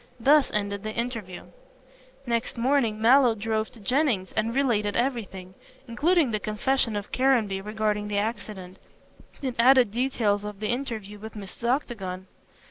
Thus ended the interview. Next morning Mallow drove to Jennings and related everything, including the confession of Caranby regarding the accident, and added details of the interview with Mrs. Octagon.